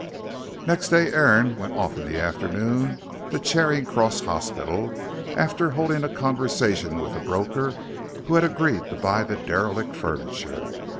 Next day Aaron went off in the afternoon to Charing Cross Hospital, after holding a conversation with a broker who had agreed to buy the derelict furniture.